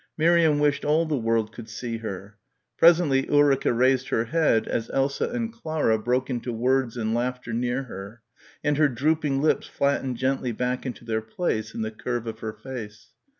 Miriam wished all the world could see her.... Presently Ulrica raised her head, as Elsa and Clara broke into words and laughter near her, and her drooping lips flattened gently back into their place in the curve of her face.